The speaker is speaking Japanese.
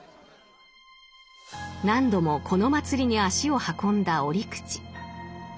何度もこの祭りに足を運んだ折口。